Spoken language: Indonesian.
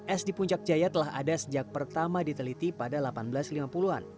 es di puncak jaya telah ada sejak pertama diteliti pada seribu delapan ratus lima puluh an